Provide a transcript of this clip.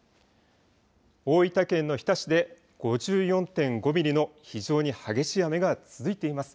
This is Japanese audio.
大分県の日田市で５４．５ミリの非常に激しい雨が続いています。